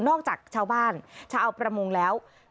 จากชาวบ้านชาวประมงแล้ว